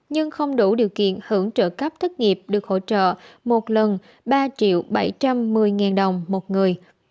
nhưng không đủ điều kiện hưởng trợ cấp thất nghiệp được hỗ trợ một lần ba bảy trăm một mươi đồng một người